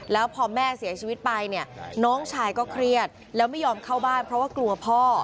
แล้วพอแม่เสียชีวิตไปเนี่ยน้องชายก็เครียดแล้วไม่ยอมเข้าบ้านเพราะว่ากลัวพ่อ